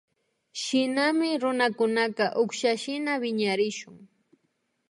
Shinami runakunaka ukshashina wiñarishun